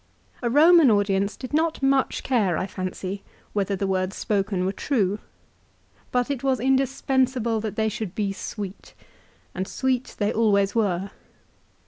A Eoman audience did not much care, I fancy, whether the words spoken were true. But it was indispensable that they should be sweet, and sweet they always were.